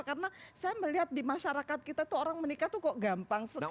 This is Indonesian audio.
karena saya melihat di masyarakat kita tuh orang menikah tuh kok gampang sekali